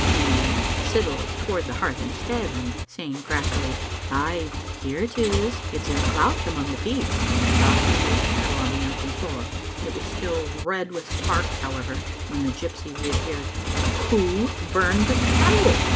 She sidled toward the hearth instead, and saying craftily, "Ay, here it is; it's a clout among the peats," softly laid the kettle on the earthen floor. It was still red with sparks, however, when the gypsy reappeared. "Who burned the kettle?"